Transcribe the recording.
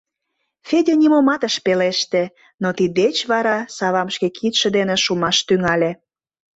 Федя нимомат ыш пелеште, но тиддеч вара савам шке кидше дене шумаш тӱҥале.